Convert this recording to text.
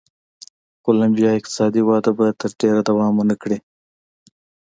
کولمبیا اقتصادي وده به تر ډېره دوام و نه کړي.